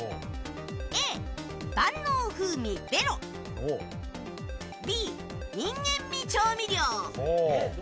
Ａ、ばんのう風味ベロＢ、人間味調味料。